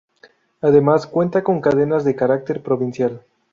Además cuenta con cadenas de carácter provincial.